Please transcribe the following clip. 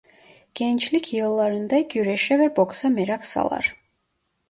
Gençlik yıllarında güreşe ve boksa merak salar.